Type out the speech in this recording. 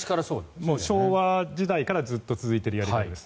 昭和時代からずっと続いているやり方です。